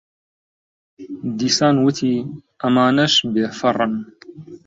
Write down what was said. دیسان وتی: ئەمانەش بێفەڕن.